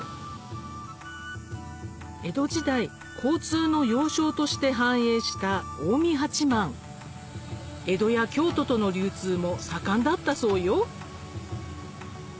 江戸時代交通の要衝として繁栄した近江八幡江戸や京都との流通も盛んだったそうよ